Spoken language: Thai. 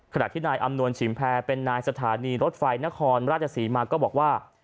ขณะที่นายอำนวลฉิมแพรเป็นนายสถานีรถไฟนครราชศรีมาก็บอกว่า